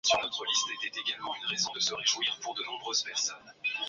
Wengine waliamua kubaki katika kambi ya jeshi la Uganda ya Bihanga, magharibi mwa Uganda.